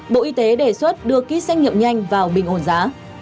bộ y tế đề xuất đưa ký xét nghiệm nhanh vào bình ổn giá